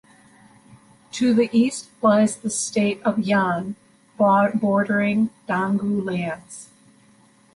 To the east lies the State of Yan bordering Donghu lands.